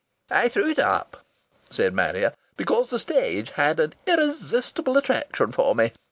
"I threw it up," said Marrier, "because the stage had an irresistible attraction for me.